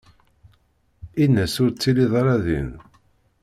In-as ur ttiliɣ ara din.